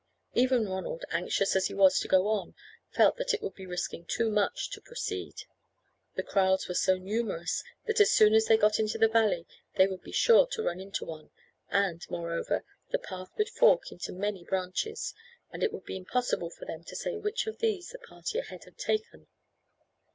Even Ronald, anxious as he was to go on, felt that it would be risking too much to proceed. The kraals were so numerous that as soon as they got into the valley they would be sure to run into one, and, moreover, the path would fork into many branches, and it would be impossible for them to say which of these the party ahead had taken.